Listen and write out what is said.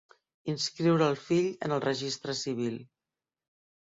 Inscriure el fill en el registre civil.